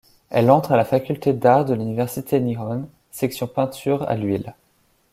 Elle entre à la faculté d’arts de l’université Nihon, section peinture à l’huile.